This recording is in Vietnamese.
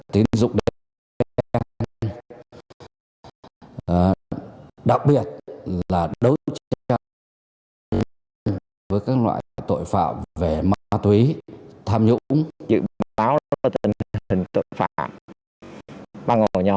tín dụng đẹp đặc biệt là đấu tranh triệt phá với các loại tội phạm về ma túy tham nhũng